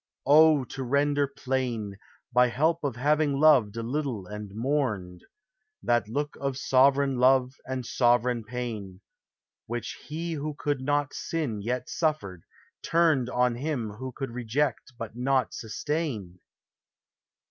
Oh, to render plain, By help of having loved a little and mourned, That look of sovran love and sovran pain Which he who could not sin yet suffered, turned On him who could reject but not sustain!